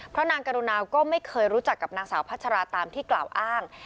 เพราะนางกรุณาวก็ไม่เคยรู้จักกับนางสาวพัชราตามที่กล่าวอ้าง